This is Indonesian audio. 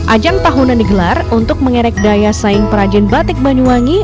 ajang tahunan digelar untuk mengerek daya saing perajin batik banyuwangi